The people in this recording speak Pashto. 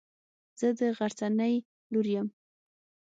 زه د غرڅنۍ لور يم.